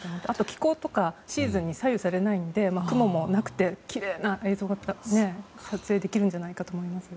気候とかシーズンに左右されずに雲もなくて、きれいな映像が撮影できるんじゃないかと思います。